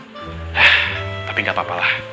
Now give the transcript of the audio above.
eh tapi gak apa apalah